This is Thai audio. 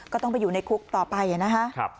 ก็ต้องไปอยู่ในคุกต่อไปนะคะ